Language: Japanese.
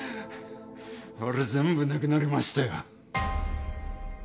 俺全部なくなりましたよ。